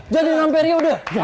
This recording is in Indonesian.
jadi enam periode